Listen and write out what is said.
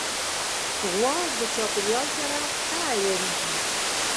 غوا د چاپېریال سره ښه عیارېږي.